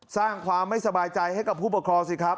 สร้างความไม่สบายใจให้กับผู้ปกครองสิครับ